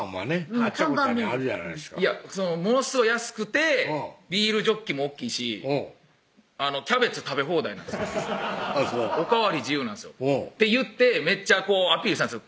あっちゃこっちゃにあるじゃないですかものすご安くてビールジョッキも大っきいしキャベツ食べ放題なんですよおかわり自由なんですよって言ってめっちゃアピールしたんですよ